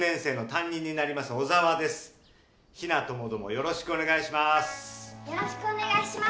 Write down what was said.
よろしくお願いします。